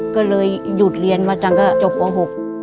ก็เลยหยุดเรียนมาจังก็จบป๖